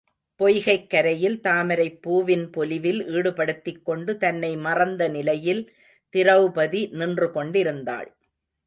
பொய்கைக் கரையில் தாமரைப் பூவின் பொலிவில் ஈடுபடுத்திக் கொண்டு தன்னை மறந்த நிலையில் திரெளபதி நின்று கொண்டிருந்தாள்.